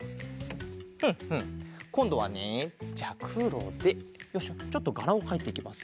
ふんふんこんどはねじゃあくろでちょっとがらをかいていきます。